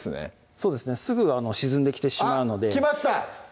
そうですねすぐ沈んできてしまうのであっきました！